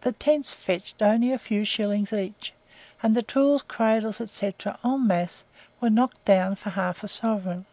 The tents fetched only a few shillings each, and the tools, cradles, &c., EN MASSE, were knocked down for half a sovereign.